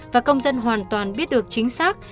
và công dân hoàn toàn biết được chính xác